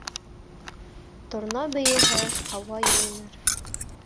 Торна бейеһә, һауа йылыныр.